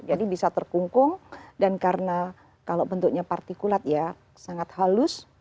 jadi bisa terkungkung dan karena kalau bentuknya partikulat ya sangat halus